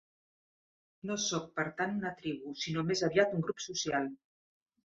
No són per tant una tribu sinó més aviat un grup social.